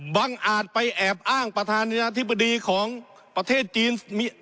อาจไปแอบอ้างประธานาธิบดีของประเทศจีน